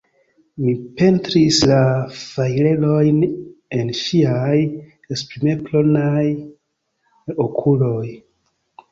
Mi pentris la fajrerojn en ŝiaj esprimplenaj okuloj.